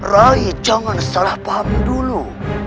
rai jangan salah paham dulu